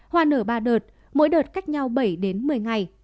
hoa nở ba đợt mỗi đợt cách nhau bảy đến một mươi ngày